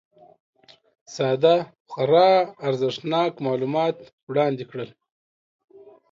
ساده خورا ارزښتناک معلومات وړاندي کړل